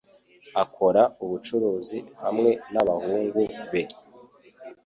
Akora ubucuruzi hamwe nabahungu be